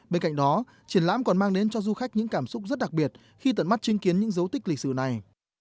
bên cạnh đó triển lãm còn mang đến cho du khách những cảm xúc rất đặc biệt khi tận mắt chứng kiến những dấu tích lịch sử này